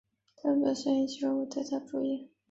他的表现引起了德甲球队利华古逊对他的注意。